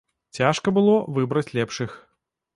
Цяжка было выбраць лепшых.